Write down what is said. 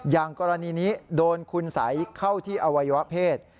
อย่างกรณีนี้โดนคุณสัยเข้าที่อวัยวะเพศ